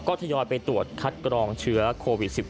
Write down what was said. ก็ทยอยไปตรวจคัดกรองเชื้อโควิด๑๙